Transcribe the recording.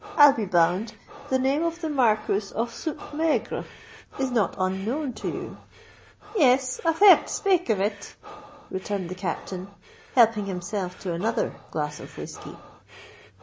I'll be bound the name of the Marquis of Soupe Maigre is not unknown to you." "Yes—I've heard spake of it," returned the Captain, helping himself to another glass of whiskey.